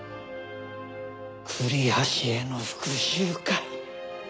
栗橋への復讐か。